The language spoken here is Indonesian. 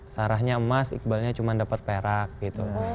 sarahnya emas iqbalnya cuma dapat perak gitu